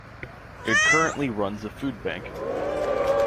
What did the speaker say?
It currently runs a Food Bank.